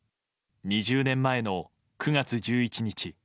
２０年前の９月１１日